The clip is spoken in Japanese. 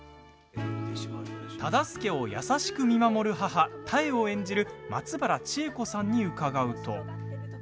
忠相を優しく見守る母・妙を演じる松原智恵子さんに伺うと。